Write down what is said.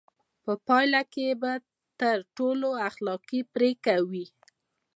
په پایله کې به تر ټولو اخلاقي پرېکړه وي.